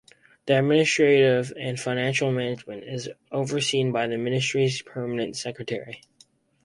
The administrative and financial management is overseen by the ministry's permanent secretary.